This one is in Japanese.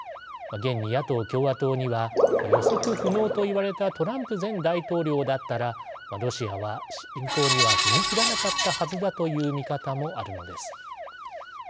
現に野党、共和党には予測不能といわれたトランプ前大統領だったらロシアは侵攻には踏み切らなかったはずだという見方もあるのです。